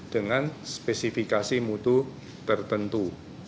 dengan spesifikasi mutu tertentu